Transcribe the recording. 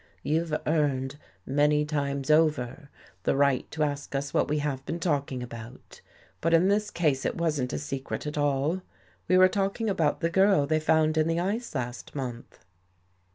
You've earned, many times over, the right to ask us what we have been talking about. But, in this case, it wasn't a secret at all. We were talking about the girl they found in the ice last month."